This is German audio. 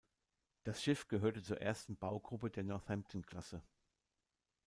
Das Schiff gehörte zur ersten Baugruppe der "Northampton"-Klasse.